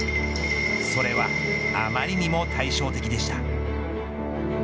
それはあまりにも対照的でした。